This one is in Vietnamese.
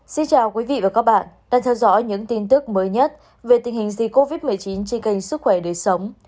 xin chào quý vị và các bạn đang theo dõi những tin tức mới nhất về tình hình dịch covid một mươi chín trên kênh sức khỏe đời sống